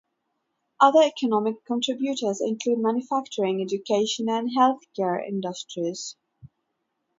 Other large economic contributors include manufacturing, education and healthcare industries.